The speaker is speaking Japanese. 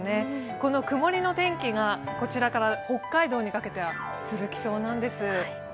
この曇りの天気がこちらから北海道にかけては続きそうなんです。